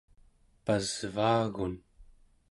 pasvaagun